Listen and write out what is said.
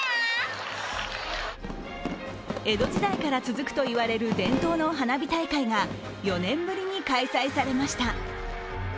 江戸時代から続くといわれる伝統の花火大会が４年ぶりに開催されました。